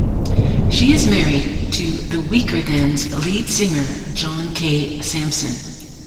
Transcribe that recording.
She is married to The Weakerthans' lead singer, John K. Samson.